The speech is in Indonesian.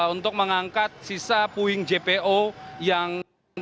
untuk mengangkat sisa puing jpo yang